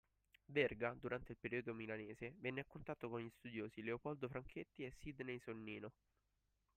Verga, durante il periodo Milanese, venne a contatto con gli studiosi Leopoldo Franchetti e Sidney Sonnino